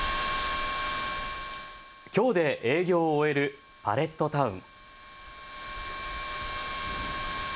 きょうで営業を終えるパレットタウン。